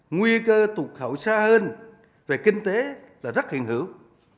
nguy cơ tụt khẩu xa hơn về kinh tế là rất hiện hưởng